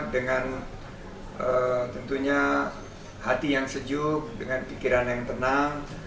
dengan tentunya hati yang sejuk dengan pikiran yang tenang